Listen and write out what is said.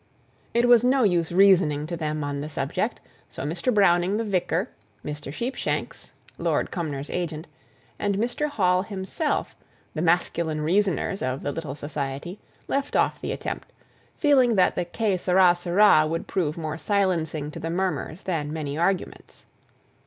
It was no use reasoning to them on the subject; so Mr. Browning the vicar, Mr. Sheepshanks (Lord Cumnor's agent), and Mr. Hall himself, the masculine reasoners of the little society, left off the attempt, feeling that the Che sarł sarł would prove more silencing to the murmurs than many arguments.